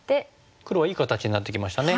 黒はいい形になってきましたね。